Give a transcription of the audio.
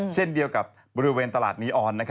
เช่นเดียวกับบริเวณตลาดนีออน